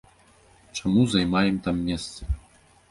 Чаму займаем там месцы?